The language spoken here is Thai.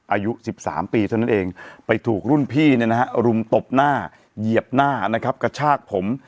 อายุ๑๓ปีเท่านั้นเองไปถูกรุ่นพี่รุมตบหน้าเหยียบหน้านะครับกระชากผม